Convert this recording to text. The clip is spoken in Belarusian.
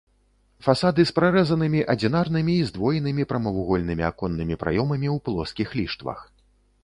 Фасады з прарэзанымі адзінарнымі і здвоенымі прамавугольнымі аконнымі праёмамі ў плоскіх ліштвах.